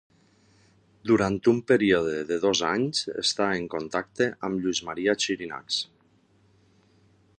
Durant un període d'uns dos anys està en contacte amb Lluís Maria Xirinacs.